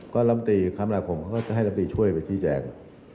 ก็ลำตีคำราคมเขาก็จะให้ลำตีช่วยไปชี้แจง